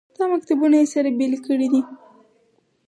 دا مکتبونه یې سره بېلې کړې دي.